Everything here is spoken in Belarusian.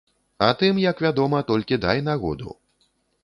А тым, як вядома, толькі дай нагоду.